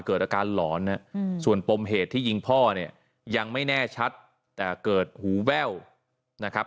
เกิดอาการหลอนส่วนปมเหตุที่ยิงพ่อเนี่ยยังไม่แน่ชัดแต่เกิดหูแว่วนะครับ